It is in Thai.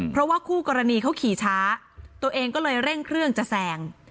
เพราะว่าคู่กรณีเขาขี่ช้าตัวเองก็เลยเร่งเครื่องจะแซง